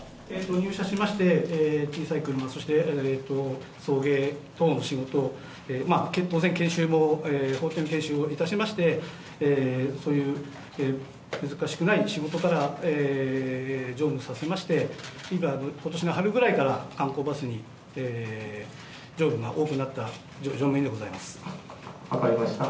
入社しまして小さい車、そして、送迎等の仕事、当然、研修をいたしまして、そういう難しくない仕事から乗務させまして、ことしの春ぐらいから観光バスに乗務が多くなった乗務員でござい分かりました。